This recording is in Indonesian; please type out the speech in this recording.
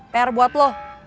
pr buat lo